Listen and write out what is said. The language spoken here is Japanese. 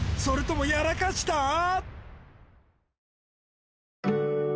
それともやらかした？